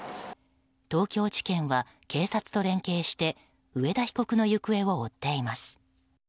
東京地検は、警察と連携して上田被告の行方を追っています。